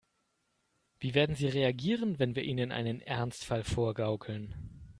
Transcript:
Wie werden sie reagieren, wenn wir ihnen einen Ernstfall vorgaukeln?